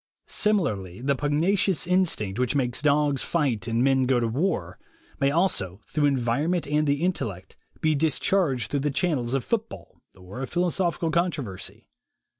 Similarly, the pugnacious instinct, which makes dogs fight and men go to war, may also, through environment and the intellect, be discharged through the channels of football or a philosophical controversy.